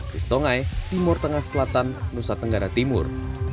kristongai timur tengah selatan nusa tenggara timur